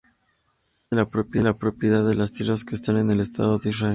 Define la propiedad de las tierras que están en el estado de Israel.